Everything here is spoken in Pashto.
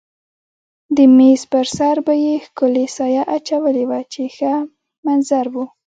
د مېز پر سر به یې ښکلې سایه اچولې وه چې ښه منظر و.